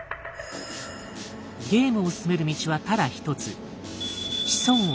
ゲームを進める道はただ一つ。